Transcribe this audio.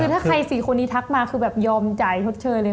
คือถ้าใคร๔คนนี้ทักมาคือแบบยอมจ่ายชดเชยเลย